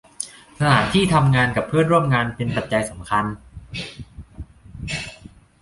สถานที่ทำงานกับเพื่อนร่วมงาน เป็นปัจจัยสำคัญ